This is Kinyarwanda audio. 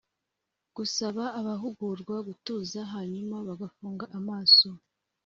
Gusaba abahugurwa gutuza hanyuma bagafunga amaso